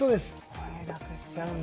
これをなくしちゃうんだ。